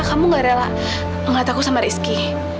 kamu gak rela ngeliat aku sama rizky